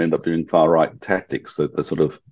dan berhasil melakukan taktik yang dikira kira dari kiri ke kanan